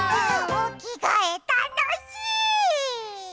おきがえたのしい！